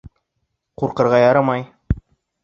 — Ҡурҡырға ярамай.